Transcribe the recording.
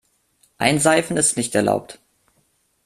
Einseifen ist nicht erlaubt.